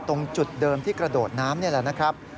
ตรงจุดเดิมที่กระโดดน้ำนี่แหละนะครับ